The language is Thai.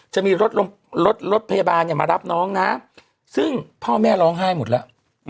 จะมีรถรถพยาบาลมารับน้องนะซึ่งพ่อแม่ร้องไห้หมดแล้ว